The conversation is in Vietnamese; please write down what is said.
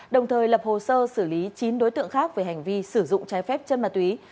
đồng thời lập hồ sơ xử lý chín đối tượng khác về hành vi sử dụng trái phép chân ma túy